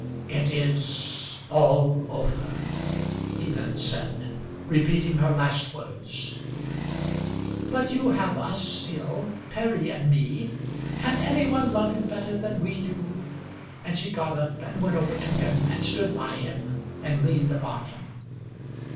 "It is all over," he then said, repeating her last words. "But you have us still, Perry and me. Can any one love you better than we do?" And she got up and went over to him and stood by him, and leaned upon him.